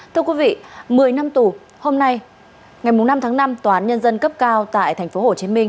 thưa quý vị một mươi năm tù hôm nay ngày năm tháng năm tòa án nhân dân cấp cao tại tp hcm